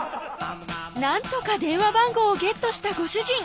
なんとか電話番号をゲットしたご主人